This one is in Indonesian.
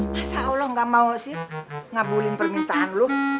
masa allah nggak mau sih ngabulin permintaan lu